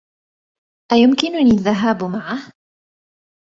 أيمكنني الذهاب معه؟